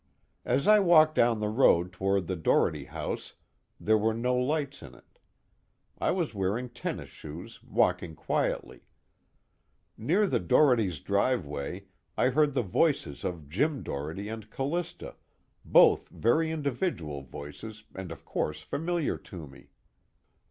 As I walked down the road toward the Doherty house there were no lights in it. I was wearing tennis shoes, walking quietly. Near the Dohertys' driveway I heard the voices of Jim Doherty and Callista, both very individual voices and of course familiar to me.